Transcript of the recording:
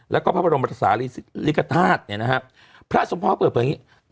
แล้วก็พระบรมศาสตร์ริกฎาศเนี่ยนะครับพระสมภาพเปิดเปล่าอย่างงี้